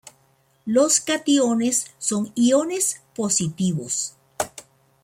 Los cationes son iones positivos.